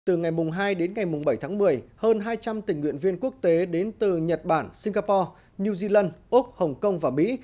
từ ngày hai đến ngày bảy tháng một mươi hơn hai trăm linh tình nguyện viên quốc tế đến từ nhật bản singapore new zealand úc hồng kông và mỹ